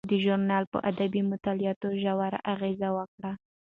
دې ژورنال په ادبي مطالعاتو ژور اغیز وکړ.